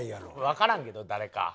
わからんけど誰か。